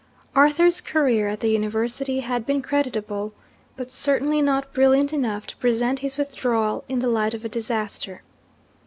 Arthur's career at the university had been creditable, but certainly not brilliant enough to present his withdrawal in the light of a disaster.